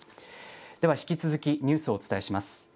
では、引き続きニュースをお伝えします。